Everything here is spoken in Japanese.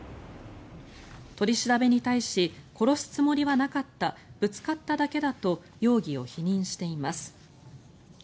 取り調べに対し殺すつもりはなかったぶつかっただけだと容疑を否認しています。